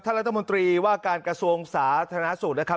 รัฐมนตรีว่าการกระทรวงสาธารณสุขนะครับ